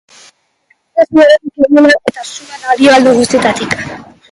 Gaztetasunaren kemena eta sua dario alde guztietatik.